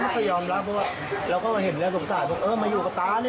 ปีนึงก็เป็นเงินมาหาด้านนะ